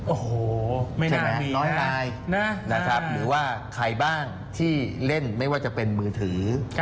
โอ้โหใช่ไหมน้อยนายนะครับหรือว่าใครบ้างที่เล่นไม่ว่าจะเป็นมือถือ